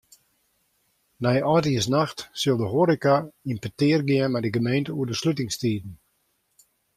Nei âldjiersnacht sil de hoareka yn petear gean mei de gemeente oer de slutingstiden.